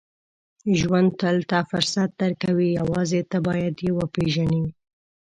• ژوند تل ته فرصت درکوي، یوازې ته باید یې وپېژنې.